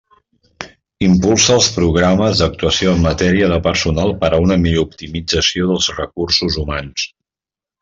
Impulsa els programes d'actuació en matèria de personal per a una millor optimització dels recursos humans.